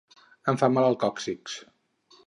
Em fa mal el còccix